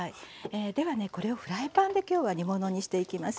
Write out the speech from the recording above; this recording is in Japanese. ではねこれをフライパンできょうは煮物にしていきます。